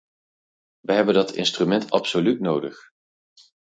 Wij hebben dat instrument absoluut nodig.